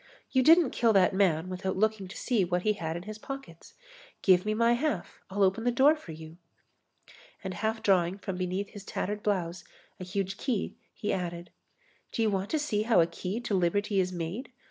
You didn't kill that man without looking to see what he had in his pockets. Give me my half. I'll open the door for you." And half drawing from beneath his tattered blouse a huge key, he added: "Do you want to see how a key to liberty is made?